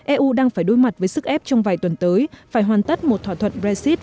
eu đang phải đối mặt với sức ép trong vài tuần tới phải hoàn tất một thỏa thuận brexit